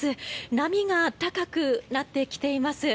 波が高くなってきています。